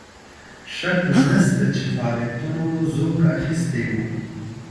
شک نسته چې فعالیتونو زور اخیستی وو.